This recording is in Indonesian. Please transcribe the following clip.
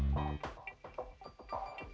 jangan papa ada ada kemurah